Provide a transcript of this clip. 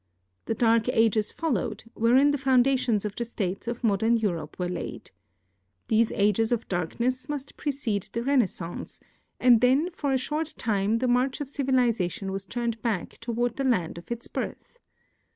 The Dark Ages followed, wherein the foundations of the states of modern Europe were laid. These ages of darkness must pre cede the Renaissance, and then for a short time the march of civ ilization was turned back toward the land of its birth.